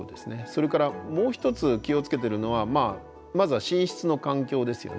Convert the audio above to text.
それからもう一つ気を付けてるのはまずは寝室の環境ですよね。